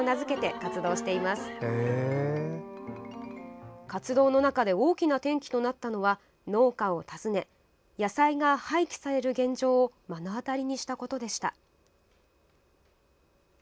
活動の中で大きな転機となったのは農家を訪ね野菜が廃棄される現状を目の当たりにしたことでした。